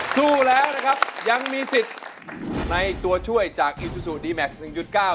สู้แล้วนะครับยังมีสิทธิ์ในตัวช่วยจากอีซูซูดีแม็กซ์หนึ่งจุดเก้า